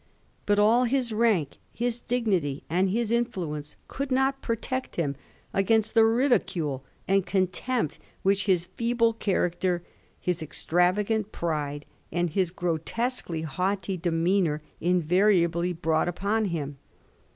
But all his rank, his dignity, and his influence could not protect him against the ridicule and contempt which his feeble character, his extravagant pride, and his grotesquely haughty demeanour invariably brought upon him.